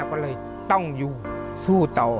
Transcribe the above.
ก็เลยต้องอยู่สู้ต่อ